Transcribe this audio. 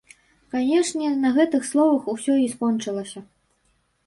Канешне, на гэтых словах усё і скончылася.